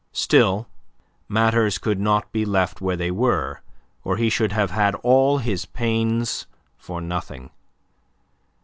Still, matters could not be left where they were, or he should have had all his pains for nothing.